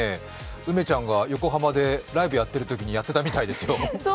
梅ちゃんが横浜でライブやってたときにやってたみたいですよ。